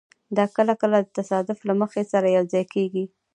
دا کله کله د تصادف له مخې سره یوځای کېږي.